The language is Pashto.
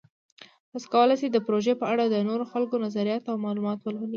تاسو کولی شئ د پروژې په اړه د نورو خلکو نظریات او معلومات ولولئ.